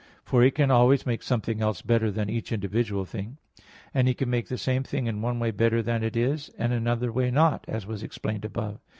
For He can always make something else better than each individual thing: and He can make the same thing in one way better than it is, and in another way not; as was explained above.